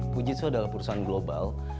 fujitsu adalah perusahaan global